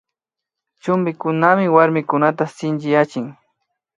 Chumpikunami warmikunata shinchiyachin